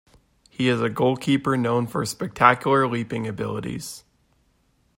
He is a goalkeeper known for spectacular leaping abilities.